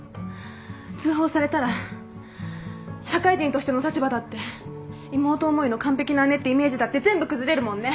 通報されたら社会人としての立場だって妹思いの完璧な姉ってイメージだって全部崩れるもんね。